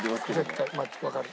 絶対わかる。